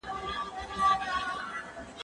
زه به کار کړی وي!.